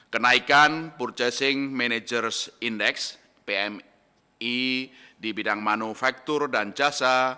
kenaikan purchasing managers index pmi di bidang manufaktur dan jasa